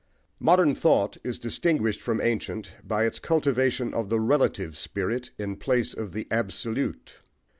Modern thought is distinguished from ancient by its cultivation of the "relative" spirit in place of the "absolute."